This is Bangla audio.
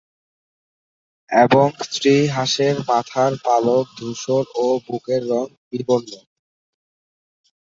এবং স্ত্রী হাঁসের মাথার পালক ধূসর ও বুকের রং বিবর্ণ।